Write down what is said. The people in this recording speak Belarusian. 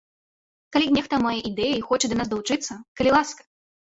Калі нехта мае ідэі і хоча да нас далучыцца, калі ласка!